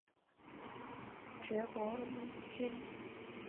爵波恩君。